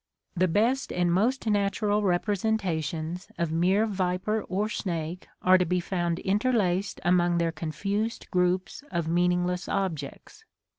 The best and most natural representations of mere viper or snake are to be found interlaced among their confused groups of meaningless objects.